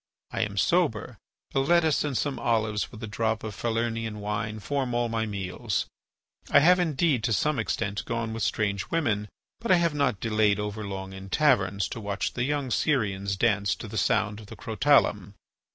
I am sober; a lettuce and some olives with a drop of Falernian wine form all my meals. I have, indeed, to some extent gone with strange women, but I have not delayed over long in taverns to watch the young Syrians dance to the sound of the crotalum.